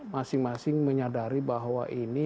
masing masing menyadari bahwa ini